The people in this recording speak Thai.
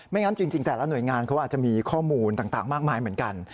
งั้นจริงแต่ละหน่วยงานเขาอาจจะมีข้อมูลต่างมากมายเหมือนกัน